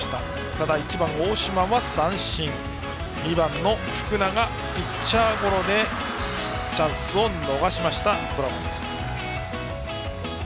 ただ１番、大島は三振２番の福永はピッチャーゴロでチャンスを逃しましたドラゴンズ。